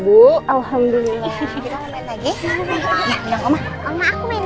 buka buka pilihan makin